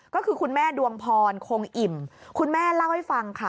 ก็คือคุณแม่ดวงพรคงอิ่มคุณแม่เล่าให้ฟังค่ะ